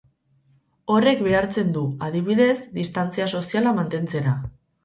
Horrek behartzen du, adibidez, distantzia soziala mantentzera.